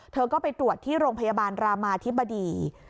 เธอก็ไปตรวจที่โรงพยาบาลรามาธิบดี